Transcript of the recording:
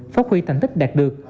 phát huy thành tích đạt được